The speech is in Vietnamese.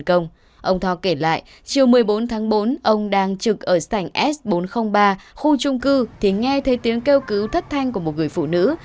chiều một mươi bốn tháng bốn ông đang trực ở sảnh s bốn trăm linh ba khu trung cư thì nghe thấy tiếng kêu cứu thất thanh của một người phụ nữ